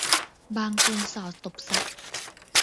บางคนส่อตบทรัพย์